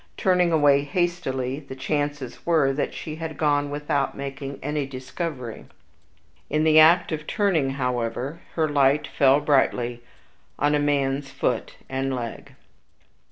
Turning away hastily, the chances were that she had gone without making any discovery. In the act of turning, however, her light fell brightly on a man's foot and leg.